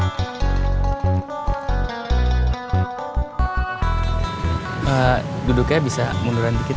duduknya bisa munduran dikit